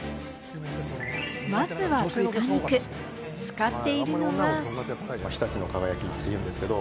まずは豚肉、使っているのは。